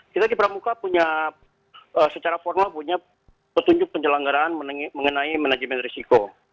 kita di pramuka punya secara formal punya petunjuk penyelenggaraan mengenai manajemen risiko